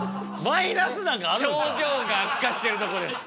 マイナスなんかあるんすか⁉症状が悪化してるとこです。